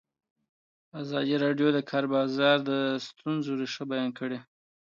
ازادي راډیو د د کار بازار د ستونزو رېښه بیان کړې.